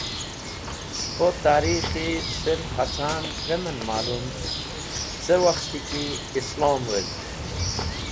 Spo tarikhi sirf hacan trẽmen malum, ce wakhti ki islom wezg.